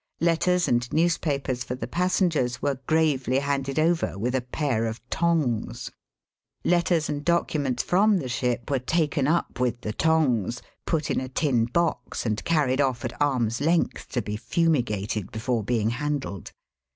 Letters and newspapers for the passengers were gravely handed over with a pair of tongs. Letters and documents from the ship were taken up with the tongs, put in a tin box, and carried off at arms' length to be fumigated before being handled.